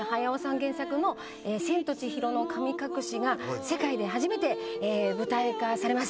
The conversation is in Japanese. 原作の『千と千尋の神隠し』が世界で初めて舞台化されます。